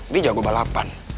dia jago balapan